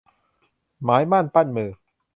หมายมั่นปั้นมือ